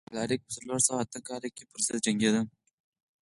الاریک په څلور سوه اته کال کې پرضد جنګېده.